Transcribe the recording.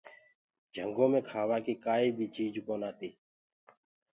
جهنگو مي کآوآ ڪيٚ ڪآئي بي چيج ڪونآ هوندي۔